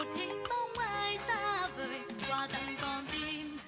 cảm ơn các bạn đã theo dõi